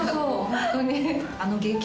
ホントに。